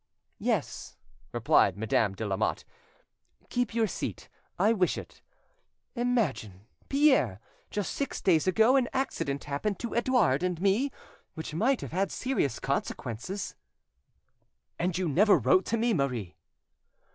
"Yes," replied Madame de Lamotte, "keep your seat, I wish it. Imagine, Pierre, just six days ago, an accident happened to Edouard and me which might have had serious consequences." "And you never wrote to me, Marie?"